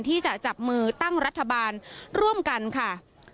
ที่จะจับมือตั้งรัฐบาลร่วมกันค่ะ